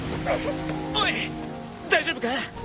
おい大丈夫か？